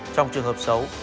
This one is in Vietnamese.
trong trường hợp xấu